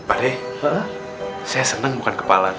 adek saya seneng bukan kepala